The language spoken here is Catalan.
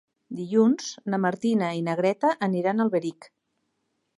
Dilluns na Martina i na Greta aniran a Alberic.